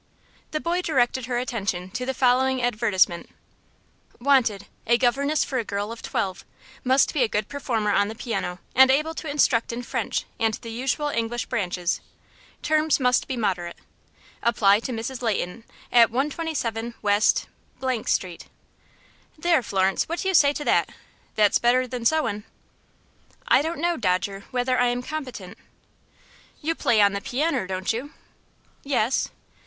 The boy directed her attention to the following advertisement: "Wanted. A governess for a girl of twelve. Must be a good performer on the piano, and able to instruct in French and the usual English branches. Terms must be moderate. Apply to Mrs. Leighton, at 127 W. Street." "There, Florence, what do you say to that? That's better than sewin'." "I don't know, Dodger, whether I am competent." "You play on the pianner, don't you?" "Yes."